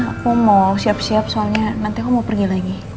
aku mau siap siap soalnya nanti aku mau pergi lagi